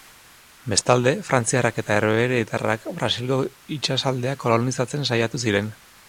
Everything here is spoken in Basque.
Bestalde, frantziarrak eta herbeheretarrak Brasilgo itsasaldea kolonizatzen saiatu ziren.